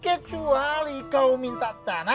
kecuali kau minta tanah